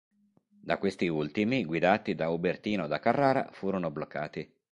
Da questi ultimi, guidati da Ubertino da Carrara, furono bloccati.